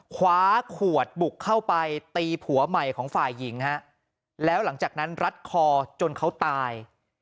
คว้าขวดบุกเข้าไปตีผัวใหม่ของฝ่ายหญิงฮะแล้วหลังจากนั้นรัดคอจนเขาตาย